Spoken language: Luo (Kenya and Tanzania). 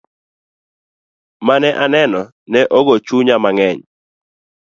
Mane aneno ne ogo chunya mang'eny.